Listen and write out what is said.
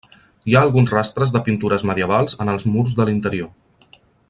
Hi ha alguns rastres de pintures medievals en els murs de l'interior.